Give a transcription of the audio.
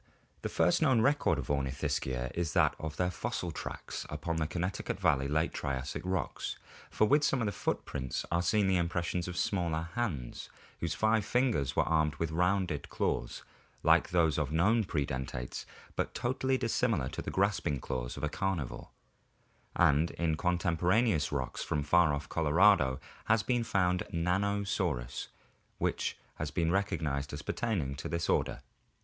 — The first known record of Ornithischia is that of their fossil tracks upon the Connecticut valley late Triassic rocks, for with some of the footprints are seen the impressions of smaller hands whose five fingers were armed with rounded claws, like those of known predentates but totally dissimilar to the grasp ing claws of a carnivore (Fig. 101). And in contemporaneous rocks ! from far off Colorado has been found Nanosaurus which has been recognized as pertaining to this order.